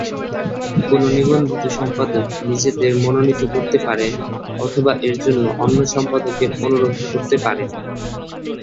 কোন নিবন্ধিত সম্পাদক নিজেদের মনোনীত করতে পারেন, অথবা এর জন্যে অন্য সম্পাদকের অনুরোধ করতে পারেন।